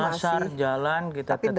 pasar jalan kita tetap